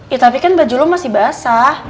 ya tapi kan baju lo masih basah